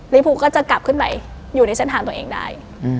ภูก็จะกลับขึ้นไปอยู่ในเส้นทางตัวเองได้